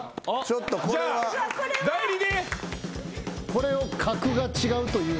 これを格が違うという。